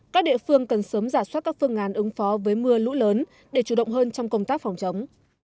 các địa phương cần sớm giả soát các phương án ứng phó với mưa lũ lớn để chủ động hơn trong công tác phòng chống